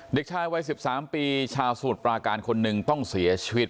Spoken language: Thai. เด็กชายวัย๑๓ปีชาวสมุทรปราการคนหนึ่งต้องเสียชีวิต